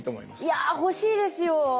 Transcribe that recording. いや欲しいですよ。